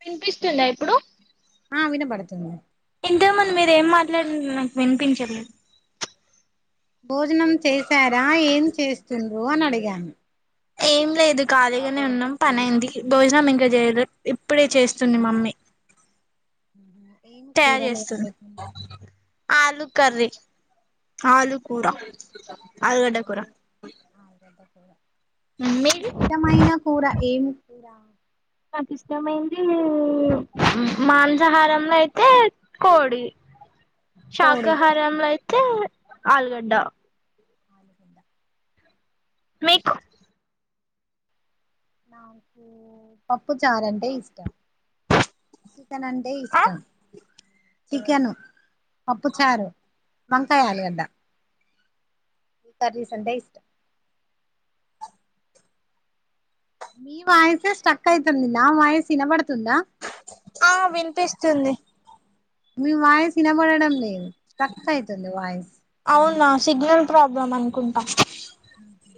వినిపిస్తుందా ఇప్పుడు ఆ వినబడుతున్ ఇంటే ముందు మీరేం మాట్లాడిం నాకు వినిపించలే భోజనం చేశారా ఏం చేస్తుండ్రు అని అడిగాను ఏం లేదు కాదిగానే ఉన్నం పనైంది భోజనం ఇంకా చేయదు ఇప్పుడే చేస్తుంది మమ్మీ అది తయారు చేస్తున్ ఆలు కర్రీ ఆలు కూర ఆలుగడ్డ కూర ఆలు ఆ అదేగ కూర మీది మీకిష్టమైన కూర ఏం కూర నాకు ఇష్టమైంది మాంసాహారంలో అయితే కోడి కోడి శాకాహారంంలో అయితే ఆలుగడ్డ ఆలుగంద మీకు నాకు పప్పు చారంటే ఇష్టం అంటే ఆ ఇష్టం చికెను పప్పు చారు మంకాయ ఆలుగడ్డ ఈ కర్రీస్ అంటే ఇష్టం మీ వాయసే స్టక్ అయితుంది నా వాయిస్ ఇనబడుతుందా ఆ విన్పిస్తుంది మీ వాయిస్ ఇనబడడం లేదు స్టక్ అయితుంది వాయస్ అవునా సిగ్నల్ ప్రాబ్లమ్ అనుకుంటా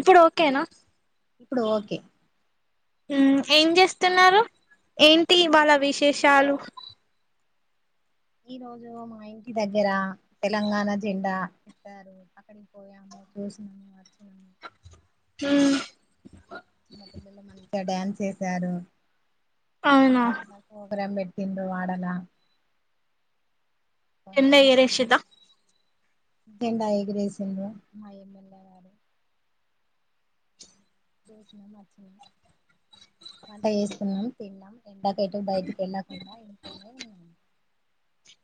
ఇప్పుడు ఓకేనా ఇప్పుడు ఓకే ఏం చేస్తున్నారు ఏంటి వాళ్ళ విశేషాలు ఈ రోజు మా ఇంటి దగ్గర తెలంగాణ జెండా ఇస్తారు అక్కడికి పోయాము అచోసినమాచ్ ఉమ్ చిన్నపిల్లలు మంచిగా డ్యాన్స్ ఏసారు అవునా చిన్న ప్రోగ్రాం పింద వాడలా చెంద ఎగరేషిర్రా జెండా ఎగరేసిండ్రు మా ఎమ్మెల్యే గారు చేసినాం వచ్చినం వంట చేసుకున్నాం తిన్నాం ఎండాకెటు బయటి ఎల్లాకుండా ఇంట్లోనే ఉన్నాం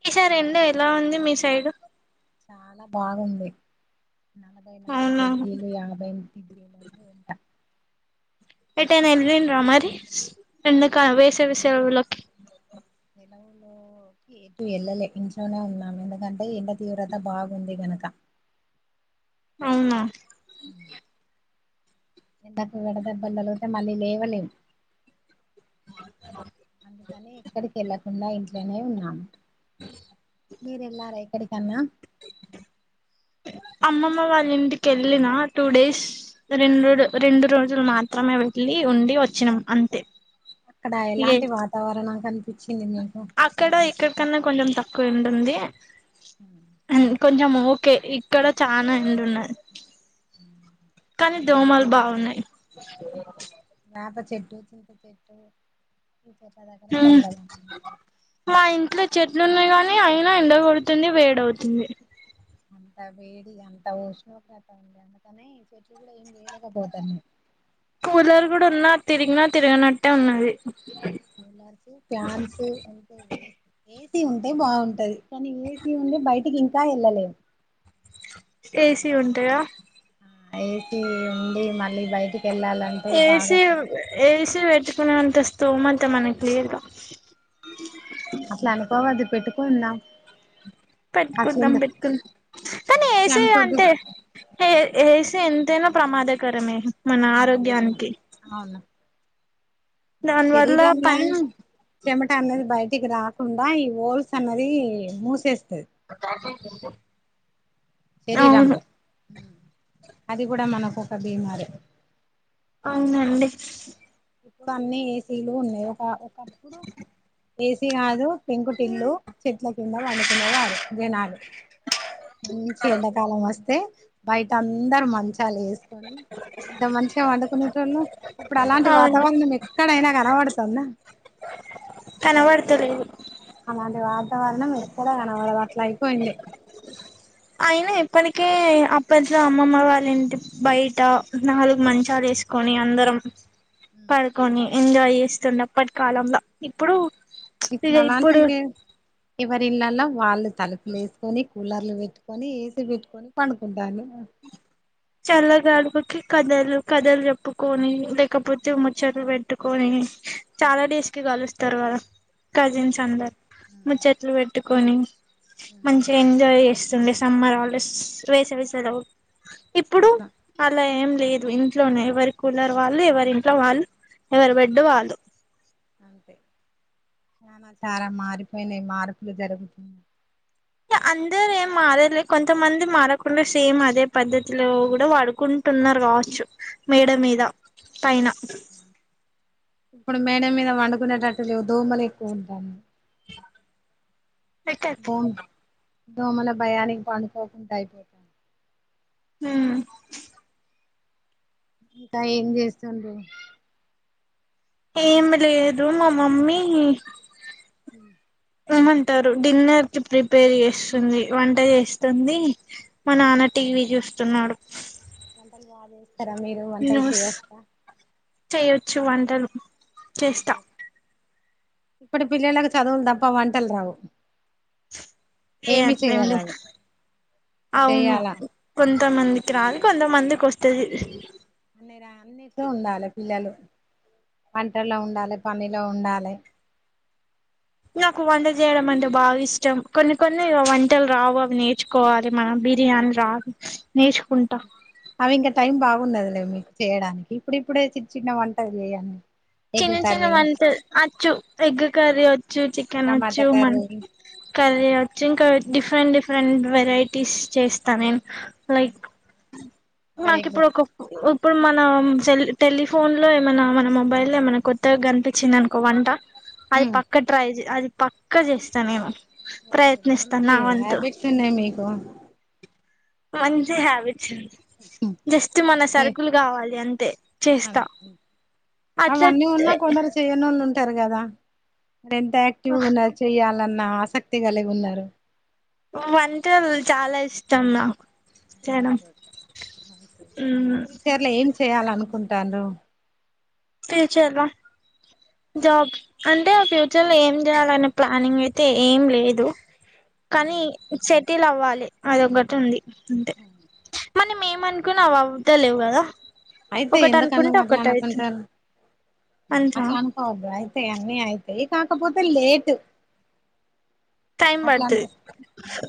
ఈసారెండ ఎలా ఉంది మీ సైడ్ చాలా బాగుంది నలభై నాలుగు అవునా డిగ్రీలు యాభై డిగ్రీలు ఉంది ఎండా ఏటైనా ఎల్లిరా మరి ఎండ కా వేసవీ సెలవులకి లలో ఎటు ఏళ్ళలే ఇంట్లోనే ఉన్నాము ఎందుకంటే ఇండ తీవ్రత బాగుంది గనక అవున్నా ఎండాకు విడదెబ్బలుతగులుతే మళ్ళీ లేవలేము అందుకని ఎక్కడికి వెళ్ళకుండా ఇంట్లోనే ఉన్నాను మీరు ఎల్లరా ఏక్కడికన్నా అమ్మమ్మ వాళ్ళింటికి వెళ్ళిన టూ డేస్ రెండు రెండు రోజులు మాత్రమే వెళ్ళి ఉండి వచ్చినాం అంతే అక్కడ ఇగ ఎలాంటి వాతావరణం కనిపించింది మీకు అక్కడ ఇక్కడ కన్నా కొంచెం తక్కువ ఎండ ఉంటుంది అ కొంచెం ఓకే ఇక్కడ చనా ఎండ ఉన్నాది చింత కానీ చెట్టు దోమలు బాగున్నాయి వేప చెట్టు చింత చెట్టు ఈ చెట్ల దగ్గర హ్ చల్లదనం ఉంటది మా ఇంట్లో చెట్లు ఉన్నాయి గానీ కానీ అయినా ఎండకొడుతుంది వేడవుతుంది అంత వేడి అంత ఉష్ణోగ్రత ఉంది అందుకనే చెట్లు కూడా ఏం చేయలేకపోతున్నాయి. కూలర్ కూడా ఉన్నా తిరిగినా తిరిగినట్టే ఉన్నది. కూలర్స్ ప్యాన్స్ అంత వెస్ట్ వెస్ట్ ఏసి ఉంటే బాగుంటది కానీ ఏసీ ఉంటే బయటికి ఇంకా ఏళ్ళలేము ఏసీ ఉంటె ఆ ఏసి ఉండి మళ్ళీ బయటికి వెళ్ళాలంటే ఏసీ బాగా ఏసీ వె పెట్టుకునేంత అంతస్తోమత మనకి లేదుగా అట్లా అనుకోవద్దు పెట్టుకుందాం పెట్టుకుందాం అట్లందు పెట్టుకుందాం కానీ అట్లా ఏసీ అనుకోద్దు అంటే ఏ ఏసి ఎంతైనా ప్రమాదకరమే మన అదే ఆరోగ్యానికి అవును మన దాని వల్ల శరీరంలా పని చెమట అన్నది బయటికి రా కుండా ఈ హొల్స్ అన్నది మూసేస్త పత శరీరంంలో అది కూడా మనకు ఒక బీమారి అవునండి ఇప్పుడు అన్నీ ఏసీలు ఉన్నాయి ఒక ఒకప్పుడు ఏసీ కాదు పెంకుటిల్లు చెట్ల కింద పండుకునే వారు జనాలు మంచిగా ఎండాకాలం వస్తే బయట అందరు మంచాలు వేస్ ఇంత మంచిగా వండుకునే టోళ్ళ ఇప్పుడు అలాంటి వాత అవును వరణం ఎక్కడైనా కనబడుతంద కనబడతలేదు అలాంటి వాతావరణం ఎక్కడ కనపడదు అట్లా అయిపోయింది అయినా ఇప్పటికే అప్పట్లో అమ్మమ్మ వాళ్ళ ఇంటి బయట నాలుగు మంచాలు వేసి కొని అందరం పడుకొని ఎంజాయ్ చేస్తుండ అప్పటి కాలంల ఇప్పుడు ఇక ఇప్పుడాలంటి ఇప్పుడు లే ఎవరిళ్ళల్ల వాళ్ళు తలుపులు వేసుకొని కూలర్లు పెట్టుకొని ఏసీ పెట్టుకొని పండుకుంటాళ్ళు చల్లగాడుపుకి కథలు కథలు చెప్పుకొని లేకపోతే ముచ్చట్లు పెట్టు కొని ట్టుకొని చాలా డేస్ కి కలుస్తారు వాళు కజిన్స్ అందరు ముచ్చేట్లు పెట్టుకొని మంచి ఎంజాయ్ చేస్ సండే సమ్మర్ హాలీడేస్ వేసవిసలో ఇప్పుడు అలా అలా ఏం లేదు ఇంట్లోనే ఎవరి కూలర్ వాళ్ళు ఎవరి ఇంట్లో వాళ్ళు ఎవరి బెడ్ వాళ్ళు అంతే చాలా చాలా మారిపోయినాయి మార్పులు జరుగుతున్నాయి అందరు ఏం మారలే కొంతమంది మారకుండా సేమ్ అదే పద్ధతిలో కూడా వాడుకుం ట్టున్నారు కావచ్చు మేడ మీద పైన ఇప్పుడు మేడ మీద వండుకునేటట్టు లేవు దోమలు ఎక్కువ ఉంటానై భోమ్ దోమల భయానికి పండుకోకుండా అయిపోతాం ఉమ్ ఇంకా ఏం చేస్తుండ్ర్ ఏమి లేదు మా మమ్మీ ఉమ్ రమంటారు డిన్నర్ కి ప్రిపేర్ చేస్తుంది వంట చేస్తుంది మా నాన్నటి టీవీ చూస్తున్నాడు వంటలు బాగా చేస్తారా మీరు వంటలు చేయస్తా చ్చు వంటలు వెరీ చేస్తా గుడ్ ఇప్పుడు పిల్లలకు చదువులు తప్ప వంటలు రావు ఏ ఏమి అట్లేం లేదు చేయారాదు అవును కొంతమందికి రాదు కొంతమందికి వస్తది మీరు ఆన్నిట్ ఉండాలి పిల్లలు పంటల్లో ఉండాలి పనిలో ఉండాలి నాకు వంట చేయడం అంటే బాగా ఇష్టం కొన్ని కొన్ని ఇ వంటలు రావు అవి నేర్చుకోవాలి మనం బిర్యానీ రాదు నేర్చుకుంటా అవి ఇంకా టైం బాగుండదులే మీకు చేయడానికి ఇప్పుడు ఇప్పుడే చిన్న చిన్న వంటలు చేయి చిన్న చిన్న వంట అచ్చు ఎగ్ కర్రీ వచ్చు చికెన్ వచ్చు టమాటా మ కర్రీ కర్రీ అచ్చు ఇంకా డిఫరెంట్ డిఫ్ ఫరెంట్ వెరైటీస్ చేస్తా నేను లైక్ వెరీ నాకు ఇప్పుడు గుడ్ ఒక ఒ ఇప్పుడు మన సేల్ టెలిఫోన్ లో ఏమైనా మన మొబైలో ఏమైనా కొత్తగా కనిపించిందనుకో వంట అది పక్కా ట్రై అది పక్కా చేస్తా నేను వెర్రి గుడ్ ప్రయత్నిస్తాను నా మంచి వంతు హ్యాబిట్స్ ఉన్నాయి మీకు మంచి హ్యాబిట్స్డి జస్ట్ మన సరుకులు కావాలి అం అన్ అట్లా అవన్నీ ఉన్నా కొందరు చేయనిల్ టారు కదా ఎంత యాక్టివ్గా ఉన్నారు చెయాలన్న ఆసక్తి కలిగి ఉన్నారు వంటలు చాలా ఇష్టం నాక్ వెరీ గుడ్ మంచి మ్మ్ ఫ్యూచర్ లో ఏం చేయాలన్ కుంటలు టిచర్ గా జాబ్ అంటే ఫ్యూచర్ లో ఏం చేయాలనే ప్లానింగ్ అయితే ఏం లేదు కానీ హ్మ్. చెటీలు అవ్వాలి అదోకటి ఉంది ఉమ్ మనీ మేము అనుకుని అవవి అవుతలేవు కదా అయితే ఒకటి ఎందుకునగా అనుకుంటే అట్లా ఒకటి అవుతుంది అనుకుంటారు అంతా అట్లా అనుకోవద్దు అయితే అన్నీ అయి అయి కాకపోతే లేటు టైం అట్లా పడుతది అంటే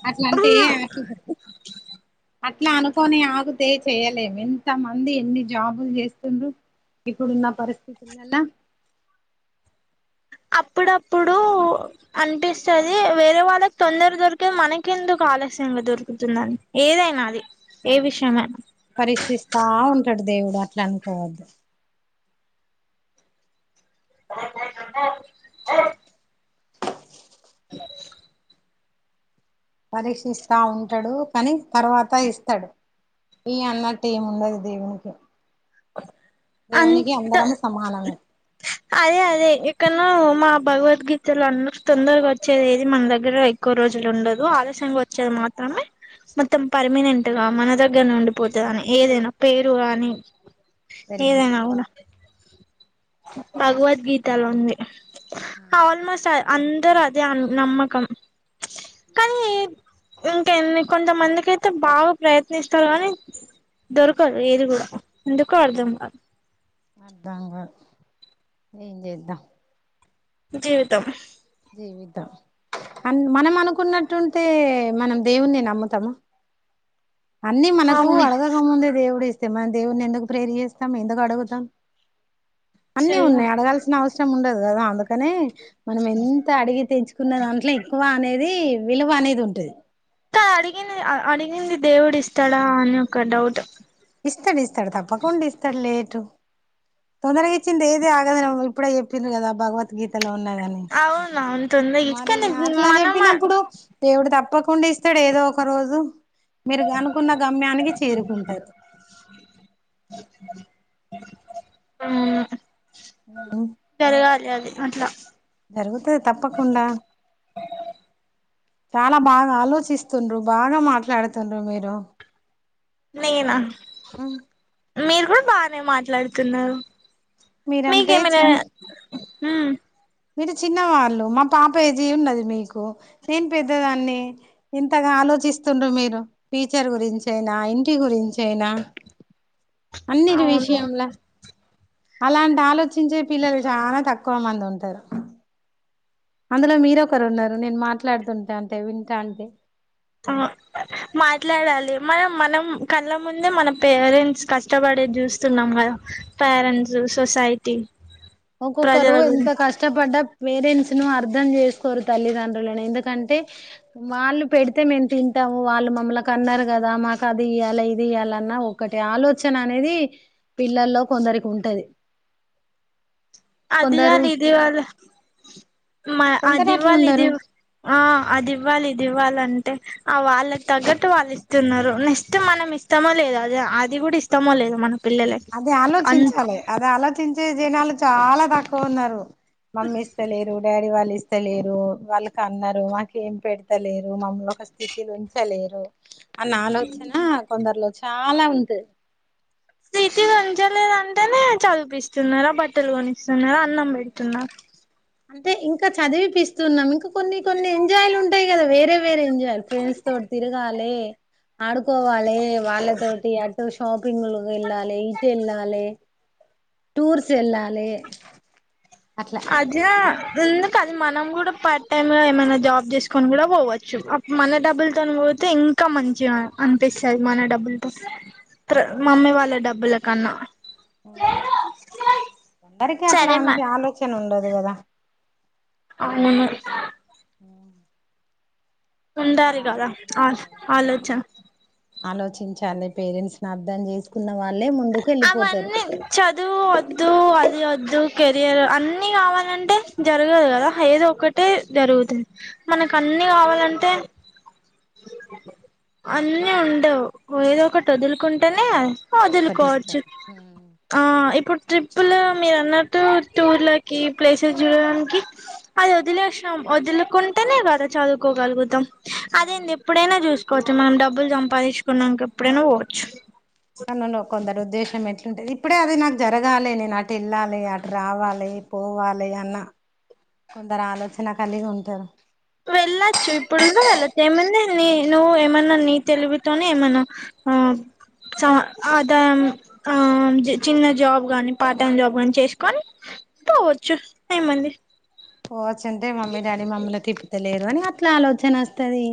అట్లా అంటే అట్లా అట్లా అనుకోని ఆగితే చేయలేము ఇంతమంది ఎన్ని జాబులు చేస్తుండ్ర ఇప్పుడున్న పరిస్థితులలా అప్పుడప్పుడు అనిపిస్తుది వేరే వాళ్ళకి తొందర దొరికేది మనకెందుకు ఆలస్యంగా దొరుకుతుందని ఏదైనా అది ఏ విషయమైనా పరీక్షిస్తా ఉంటాడు దేవుడు అట్లా అనుకోవద్దు ఆ అ పరీక్షిస్తా ఉంటాడు కానీ తర్వాత ఇస్తాడు ఈ అన్న టటీము ఉండది దీవనకి అంత సమానమే అదే అదే ఇక్కను మా భగవద్గీతలు అంద తొందరగా వచ్చేది ఏది మన దగ్గర ఎక్కువ రోజులు ఉండదు ఆలస్యంగా వచ్చేది మాత్రం అమే మొత్తం పర్మినెంట్ గా మన దగ్గర ఉండిపోతుందిని ఏదైనా పేరు కాని వెరీ గుడ్ ఏదేనా కూడా లా ఉంది ఆ ఆల్మోస్ట్ అందరు అదే నమ్మకం కానీ ఇంక ఎన్ని కొంతమందికి అయితే బాగా ప్రయత్నిస్తారు కానీ దొరకదు ఏది కూడా ఎందుకో అర్ధం కాదు అర్ధం కాదు ఏం చేదం జీవితం జీవితం అ మనం అనుకున్నట్టుంటే మనం దేవుణి నమ్ముతామ అన్ని మనకు అవును అడగకముందే దేవుడు ఇస్త మ దేవుని ఎందుకు ప్రేరు చేస్తాం ఎందుకు అడుగుతాం అన్ని చెయ్యం ఉన్నాయి అడగాల్సిన అవసరం కష్టం ఉండదు కదా అందుకనే మనం ఎంత అడిగి తెంచుకున్న దాంట్లో వికువ అనేది విలువ అనేది ఉంటుది ఇ అడిగింది అడిగింది దేవుడు ఇస్తాడా అని ఒక డౌట్ ఇస్తాడు ఇస్తాడు తప్పకుండా ఇస్తాడు లేటు తొందరగా ఇచ్చింది ఏదే ఆగదనం ఇప్పుడే చెప్పింది కదా భగవద్గీతలో ఉన్నా అవునా అంతుంది కానీ మరిక అట్లా మనం చెప్పినప్పుడు దేవుడు తప్పకుండా ఇస్తాడు ఏదో ఒక రోజు మీరు అనుకున్న గమ్యానికి చేరుకుంటారు ఆ ఉ తెలి అట్లా జరుగుతది తప్పకుండా చాలా బాగా ఆలోచిస్తుండ్రు బాగా మాట్లాడుతుండ్రు మీరు నేనా మీరు కూడా బానే మాట్లాడుతున్నారు మీరంటే మీకమనా చిన్ మీరు చిన్న వాళ్ళు మా పాప ఏజ్ ఉన్నది మీకు నేను పెద్దదాన్ని ఇంతగా ఆలోచిస్తుండ్ర మీరు టీచర్ గురించి అయినా ఇంటి గురించి అయినా అన్నిటి అవును విషయంలా అలాంటి ఆలోచించే పిల్లలు చాలా తక్కువ క్కువ మంది ఉంటారు అందులో మీర ఒకరు ఉన్నారు నేను మాట్లాడుతుంటంటే వింటంటే అ మా మాట్లాడాలి మనం మనం కళ్ళ ముందే మన పేరెంట్స్ కష్టపడేది చూస్తున్నాం కదా పెరెంట్స్ సొసైటీ ఒకోక్కరు ప్రజల గురి ఎంత కష్టపడ్డ పేరెంట్స్ ను అర్థం చేసుకోరు తల్లిదండ్రులను ఎందుకంటే వాళ్ళు పెడితే మేము తింటా వాళ్ళు మమ్ముల కన్నారు కదా మాకు అది ఇయ్యాలి ఇది ఇయ్యాలన్న ఒకటి ఆలోచన అనేది పిల్లల్లో కొందరికి ఉంటది అది కొందరు కాదు ఇది కదా మా అది కొందరు ఇవ్వాలి ఇది అట్లుండరు ఆ అదివ్వాలి ఇది ఇవ్వాలం టే ఆ వాళ్ళకి తగ్గట్టు వాళ్ళు ఇస్తున్నారు నెక్స్ట్ మనం ఇస్తమో లేదు అది అది కూడా ఇస్తమో లేదు మనం అదిే ఆలోచించాలే అది ఆలోచ ఆించే జనాలు చాలా తక్కువ ఉన్నారు మమ్మీ ఇస్త లేరు డాడీ వాళ్ళు ఇస్ స్తలేరు వాళ్ళుకన్నారు మాకేం పెడుతలేరు మమ్ముల ఒక స్థితిల ఉంచలేరు ఆన్న ఆలోచన కొందరిలో చాలా ఉంటది స్ీతి ఉంచలేదంటేనే చదిపిస్తున్నారా బట్టలు కొని స్తున్నారా అన్నం పెడుతున్నా అంటే ఇంకా చదివిపిస్తూన్నాం ఇంకా కొన్ని కొన్ని ఎంజాయలు ఉంటాయి కదా వేరే వేరే ఎంజయ్లు ఫ్రెండ్స్ తోటి తిరగాలే ఆడుకోవాలే వాళ్ళతోటి అటు షాపింగ్ వెళ్ళాలి ఇటు వెళ్ళాలే టూర్స్ వెళ్ళాలే అట్లా ఉం అది మనం కూడా పార్ట్ టైమ్ గా ఏమైనా జాబ్ చేసుకొని కూడా పోవచ్చు మన డబ్బులతో పోతే ఇం కా మంచిగా అనిపిస్తది మన డబ్బులతో మమ్మీ వాళ్ళ డబ్బుల కన్నా మ్ అందరికి సరే మా అట్లాంటి ఆలోచన ఉండదు కదా అవును ఉ ఉండాలి కదా ఆ కదా ఆలోచన ఆలోచించాలి పేరెంట్స్ ని అర్థం చేసుకున్న వాళ్ళే ముందుకు వెళ్ళిపోతారు అవన్నీ చదువు వద్దు అది వద్దు కెరియర్ అన్ని కావాలంటే జరగదు కదా ఏదో ఒక్కటే జరుగుతది మనకు అన్నిీ కావాలంటే అన్నీ ఉండవు ఏదో ఒకటి వదులుకుంటేనే ఒకటి వదులుకోవచ్చు ఇస్తాడు ఆ ఇప్పుడు ట్రిప్పులు మీరన్న ట్టు టూర్లకి ప్లేసెస్ చూడడానికి అది వదిలేషం వదులుకుంటేనే కద చదువుకోగలుగుతాం అదేంది ఎప్పుడైనా చూసుకోవచ్చు మనం డబ్బులు సంపాదించుకున్నాక ఎప్పుడైనా పోవచ్చు కనున్నవ్ కొందరు ఉద్దేశం ఎట్లుంది ఇప్పుడే అది నాకు జరగాలే నేను అటు వెళ్లాలే అటు రావాలే పోవలే అన్న కొందరు ఆలోచన కలిగి ఉంటారు వెల్ ళ్ళొచ్చు ఇప్పుడు కూడా వెళ్ళచ్చు ఏముంది నీ నువ్వు ఏమన్నా నీ తెలీవితోనే ఏమన్నా ఆ స అద ఆ చిన్న జాబ్ గాని పార్ట్ టైమ్ జాబ్ గాని చేసుకొని పోవచ్చు ఏముంది పోవచ్చు అంటే మమ్మీ డాడీ మమ్మలని తిప్పుతలేరు అని అట్లా ఆలోచన వస్తది